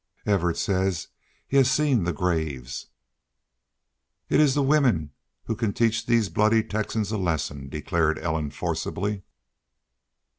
Evarts says he seen the graves." "It is the women who can teach these bloody Texans a lesson," declared Ellen, forcibly.